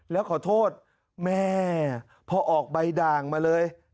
แล้วขอโทษแม่พอออกใบด่างมาเลย